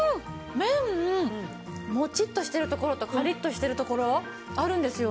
麺モチッとしてるところとカリッとしてるところあるんですよ。